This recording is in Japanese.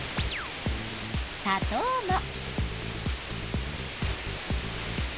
さとうも。